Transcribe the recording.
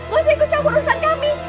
masih ikut campur urusan kami